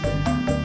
apa yang gua lakuin